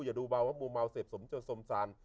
อย่าดูเบาว่ามูเมาเสพสมจนสมสาร